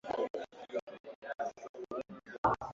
Mamangu ananipenda sana.